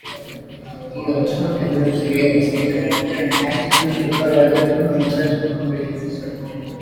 He also develops real estate, and acts as an advisor to numerous corporations.